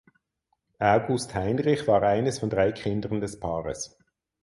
August Heinrich war eines von drei Kindern des Paares.